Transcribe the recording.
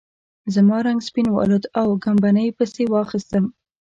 زما رنګ سپین والوت او ګبڼۍ پسې واخیستم.